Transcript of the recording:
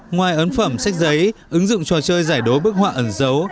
ngoài ấn phẩm sách giấy ứng dụng trò chơi giải đố bức họa ẩn dấu